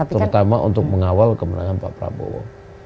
terutama untuk mengawal kemenangan pak prabowo